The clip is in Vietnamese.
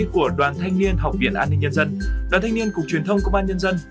của đoàn thanh niên học viện an ninh nhân dân đoàn thanh niên cục truyền thông công an nhân dân